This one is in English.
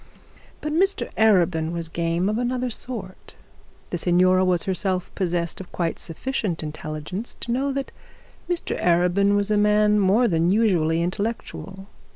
But Mr Arabin was game of another sort. The signora was herself possessed of quite sufficient intelligence to know that Mr Arabin was a man more than usually intellectual.